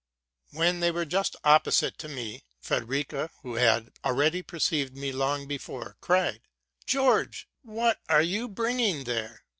When they were just opposite to me, Frederica, who had already perceived me long before, cried, '+ George, what are you bringing there?